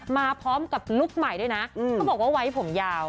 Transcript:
มาพร้อมกับลุคใหม่ด้วยนะเขาบอกว่าไว้ผมยาว